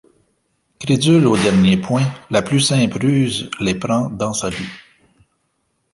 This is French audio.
Crédules au dernier point, la plus simple ruse les prend dans sa glu.